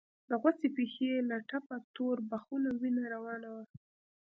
د غوڅې پښې له ټپه تور بخونه وينه روانه وه.